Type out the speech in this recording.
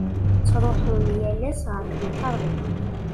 Tttruḥun yal ass ɣer temkarḍit.